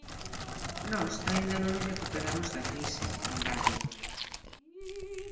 "Nós aínda non nos recuperamos da crise", engade.